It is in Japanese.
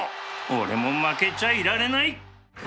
俺も負けちゃいられない！